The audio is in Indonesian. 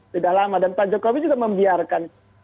sudah lama dan pak jokowi juga membiarkan